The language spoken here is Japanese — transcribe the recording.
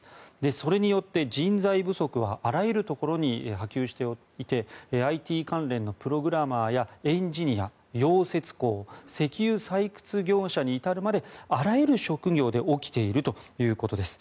それによって人材不足はあらゆるところに波及していてＩＴ関連のプログラマーやエンジニア、溶接工石油採掘業者に至るまであらゆる職業で起きているということです。